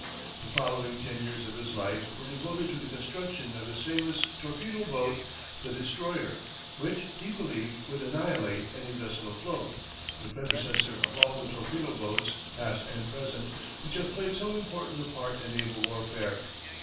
The following ten years of his life were devoted to the construction of his famous torpedo boat, the "Destroyer," which, he believed, would annihilate any vessel afloat the predecessor of all the torpedo boats, past and present, which have played so important a part in naval warfare.